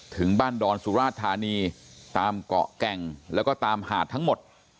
ถึงบ้านดอนสุราชธานีตามเกาะแก่งแล้วก็ตามหาดทั้งหมด